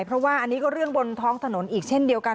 เพราะว่าอันนี้ก็เรื่องบนท้องถนนอีกเช่นเดียวกัน